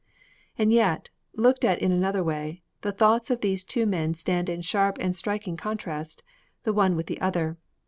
IV And yet, looked at in another way, the thoughts of these two men stand in sharp and striking contrast, the one with the other.